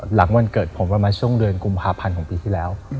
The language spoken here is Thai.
หลังวันเกิดผมประมาณช่วงเดือนกุมภาพันธ์ของปีที่แล้ว